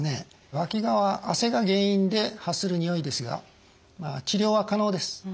わきがは汗が原因で発するにおいですが治療は可能です。